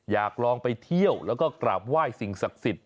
อยากลองไปเที่ยวแล้วก็กราบไหว้สิ่งศักดิ์สิทธิ